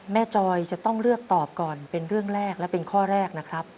จอยจะต้องเลือกตอบก่อนเป็นเรื่องแรกและเป็นข้อแรกนะครับ